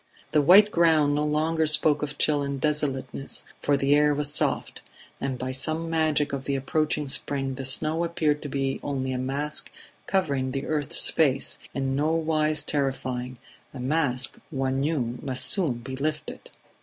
The white ground no longer spoke of chill and desolateness, for the air was soft; and by some magic of the approaching spring the snow appeared to be only a mask covering the earth's face, in nowise terrifying a mask one knew must soon be lifted.